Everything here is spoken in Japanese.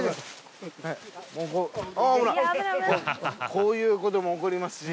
こういうことも起こりますし。